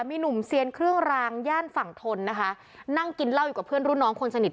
มีหนุ่มเซียนเครื่องรางย่านฝั่งทนนะคะนั่งกินเหล้าอยู่กับเพื่อนรุ่นน้องคนสนิท